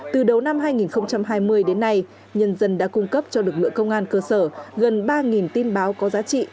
từ đầu năm hai nghìn hai mươi đến nay nhân dân đã cung cấp cho lực lượng công an cơ sở gần ba tin báo có giá trị